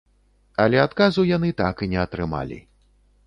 Але адказу яны так і не атрымалі.